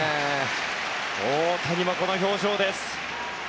大谷はこの表情です。